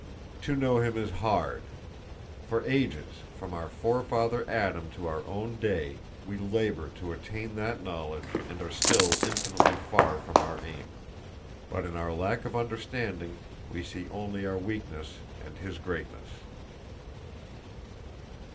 To know Him is hard.... For ages, from our forefather Adam to our own day, we labor to attain that knowledge and are still infinitely far from our aim; but in our lack of understanding we see only our weakness and His greatness...."